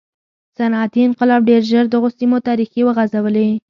صنعتي انقلاب ډېر ژر دغو سیمو ته ریښې وغځولې.